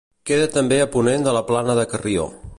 Queda també a ponent de la Plana de Carrió.